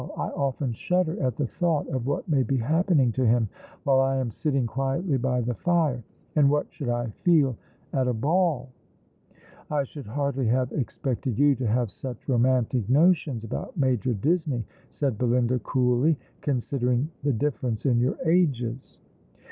I often shudder at the thought of what may be happening to him while I am sitting quietly by the fire. And what should I feel at a ball ?" "I should hardly have expected you to have such romantic notions about Major Disney," said Belinda, coolly, " considering the difference in your ages."